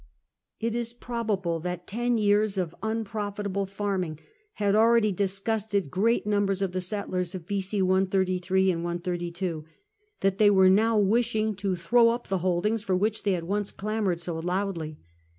It is probable that ten years of unprofitable farming had already disgusted great numbers of the settlers of B.c. 133 132, and that they were now wishing to throw up the holdings for which they had once clamoured so loudly.